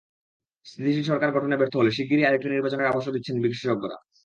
স্থিতিশীল সরকার গঠনে ব্যর্থ হলে শিগগিরই আরেকটি নির্বাচনের আভাসও দিচ্ছেন বিশেষজ্ঞরা।